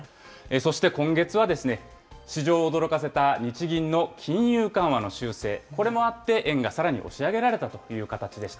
そして今月は、市場を驚かせた日銀の金融緩和の修正、これもあって、円がさらに押し上げられたという形でした。